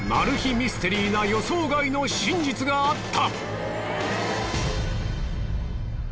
ミステリーな予想外の真実があった！